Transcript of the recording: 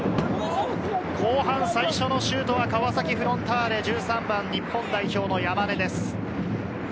後半最初のシュートは川崎フロンターレ１３番、日本代表の山根です。